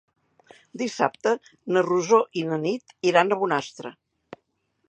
Dissabte na Rosó i na Nit iran a Bonastre.